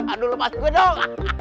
aduh lepas gue dong